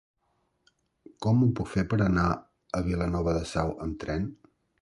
Com ho puc fer per anar a Vilanova de Sau amb tren?